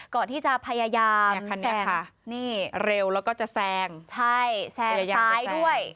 ก่อนที่จะพยายามแซงนี่คันนี้ค่ะเร็วแล้วก็จะแซงพยายามจะแซงใช่แซงซ้ายด้วย